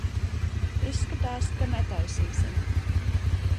Izskatās, ka netaisīsim.